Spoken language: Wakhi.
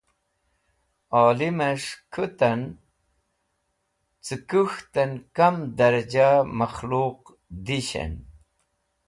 Olimẽs̃h (teacher) kutan cẽ kũk̃htẽn kam dẽrja makhluq dishẽn.